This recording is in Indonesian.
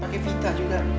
pakai pita juga